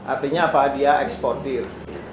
artinya apa dia ekspor deal